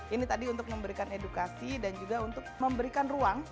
ini tadi untuk memberikan edukasi dan juga untuk memberikan ruang